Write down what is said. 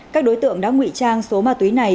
các đối tượng đã ngụy trang số ma túy này